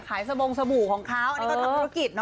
ขายสมงสมู่ของเขาอันนี้ก็ทำธุรกิจน่ะ